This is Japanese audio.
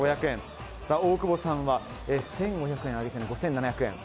さあ、大久保さんは１５００円上げての５７００円。